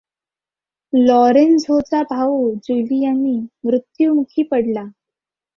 लॉरेन्झोचा भाउ ज्युलियानी मृत्युमुखी पडला.